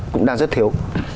cũng đang rất thiếu